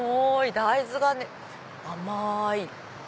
大豆がね甘い。